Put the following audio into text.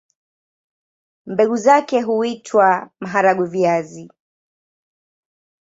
Mbegu zake huitwa maharagwe-viazi.